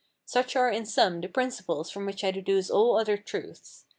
Such are in sum the principles from which I deduce all other truths.